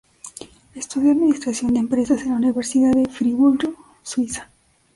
Estudió administración de empresas en la Universidad de Friburgo, Suiza.